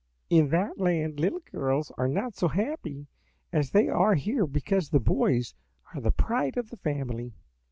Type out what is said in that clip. "In that land little girls are not so happy as they are here because the boys are the pride of the family.